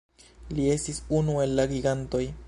Li estis unu el la gigantoj.